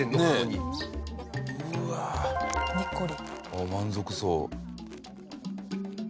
あっ満足そう。